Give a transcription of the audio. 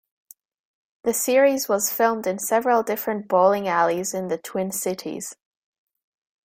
The series was filmed in several different bowling alleys in the Twin Cities.